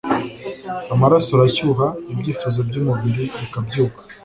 Amaraso arashyuha ibyifuzo byumubiri bikabyuka